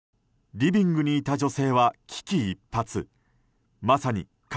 リビングにいた女性は危機一髪。